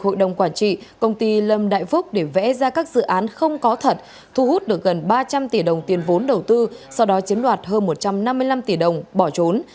hội đồng quản trị công ty lâm đại phúc để vẽ ra các dự án không có thật thu hút được gần ba trăm linh tỷ đồng tiền vốn đầu tư sau đó chiếm đoạt hơn một trăm năm mươi năm tỷ đồng bỏ trốn